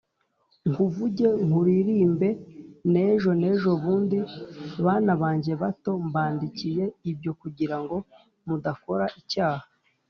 Nkuvuge, nkuririmbe n’ejo nejobundi. Bana banjye bato, mbandikiriye ibyo kugira ngo mudakora icyaha